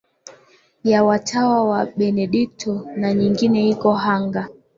ya watawa Wa Benedikto na nyingine iko Hanga